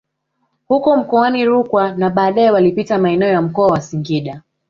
Huko mkoani Rukwa na baadae walipita maeneo ya mkoa wa Singida